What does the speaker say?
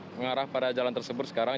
mengarah pada jalan tersebut sekarang